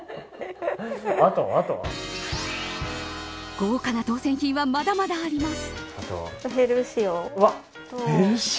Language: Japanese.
豪華な当選品はまだまだあります。